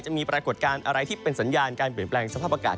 จะมีปรากฏการณ์อะไรที่เป็นแสนงไปเปลี่ยนแปลงสภาพอากาศ